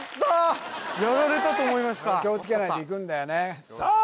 やられたと思いました気をつけないといくんだよねさあ